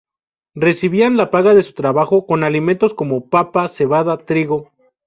Recibían la paga de su trabajo con alimentos como papa, cebada, trigo.